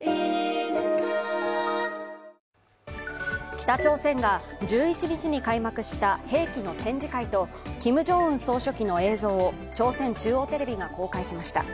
北朝鮮が１１日に開幕した兵器の展示会とキム・ジョンウン総書記の映像を朝鮮中央テレビが公開しました。